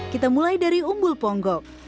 kita mulai dari umbul ponggok